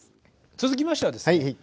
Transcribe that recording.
続きましてはですね